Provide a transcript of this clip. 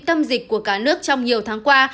tâm dịch của cả nước trong nhiều tháng qua